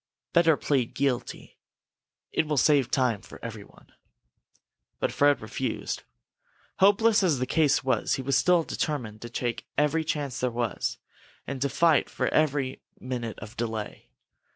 Better plead guilty. It will save time for everyone." But Fred refused. Hopeless as the case was, he was still determined to take every chance there was, and to fight for every minute of delay.